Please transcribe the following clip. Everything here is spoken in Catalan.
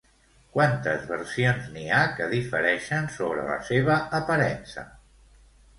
Quantes versions n'hi ha que difereixen sobre la seva aparença?